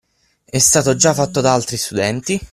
E' stato già fatto da altri studenti.